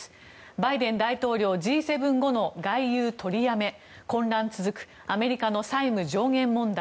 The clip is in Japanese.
バイデン大統領Ｇ７後の外遊取りやめ混乱続くアメリカの債務上限問題。